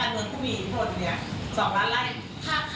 ที่นักการเงินก็มีอีกหน่วงเนี่ย